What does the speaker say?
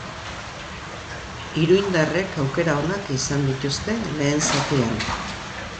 Iruindarrek aukera onak izan dituzte lehen zatian.